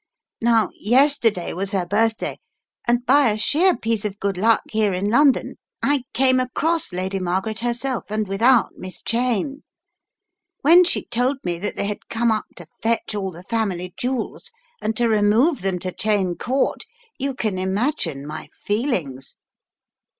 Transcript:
Now yes terday was her birthday, and by a sheer piece of good luck here in London I came across Lady Margaret herself and without Miss Cheyne. When she told me that they had come up to fetch all the family jewels and to remove them to Cheyne Court, you can imag ine my feelings."